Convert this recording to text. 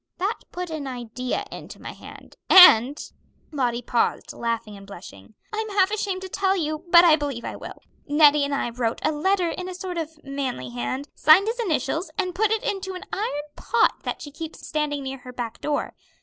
That put an idea into my head, and " Lottie paused, laughing and blushing "I'm half ashamed to tell you, but I believe I will Nettie and I wrote a letter in a sort of manly hand, signed his initials, and put it into an iron pot that she keeps standing near her back door.